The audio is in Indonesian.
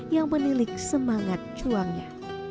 yang menilik semangat juangnya